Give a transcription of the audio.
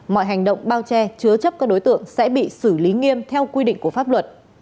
mọi hành động bao che chứa chấp các đối tượng sẽ bị xử lý nghiêm theo quy định của pháp luật